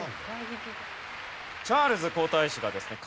チャールズ皇太子がですね